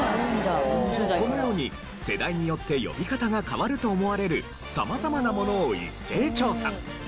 このように世代によって呼び方が変わると思われる様々なものを一斉調査。